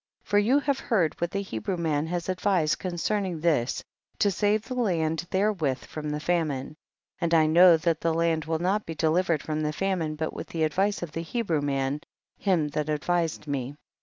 5. For you have heard what the Hebrew man has advised concerning this to save the land therewith from the famine, and I know that the land will not be delivered from the famine but with the advice of the Hebrew man, him that advised me.